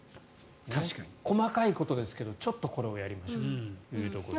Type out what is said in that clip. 細かいことですがちょっとこれをやりましょうというところです。